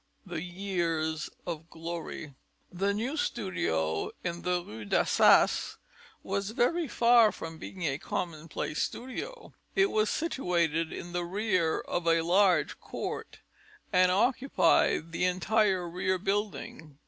THE YEARS OF GLORY The new studio in the Rue d'Assas was very far from being a commonplace studio. It was situated in the rear of a large court, and occupied the entire rear building.